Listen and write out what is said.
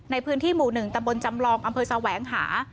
ในพื้นที่หมู่หนึ่งตำบลจำรองอัมเภาสาวแหวงหา